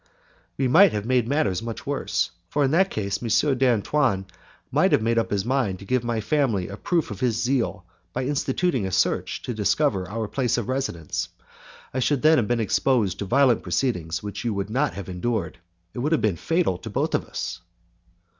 "We might have made matters much worse; for in that case M. d'Antoine might have made up his mind to give my family a proof of his zeal by instituting a search to discover our place of residence, and I should then have been exposed to violent proceedings which you would not have endured. It would have been fatal to both of us."